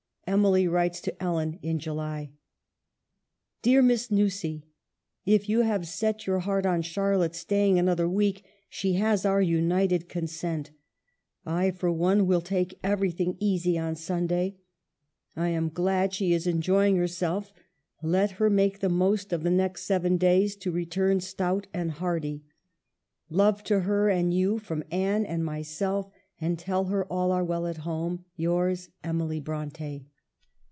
Emily writes to Ellen in July :" Dear Miss Nussey, — If you have set your heart on Charlotte staying another week, she has our united consent. I, for one, will take everything easy on Sunday. I am glad she is enjoying herself; let her make the most of the next seven days to return stout and hearty. ^8 EMILY BRONTE. Love to her and you from Anne and myself, and tell her all are well at home. — Yours, " Emily Bronte."